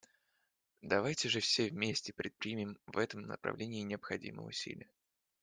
Давайте же все вместе предпримем в этом направлении необходимые усилия.